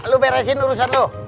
lu beresin urusan lu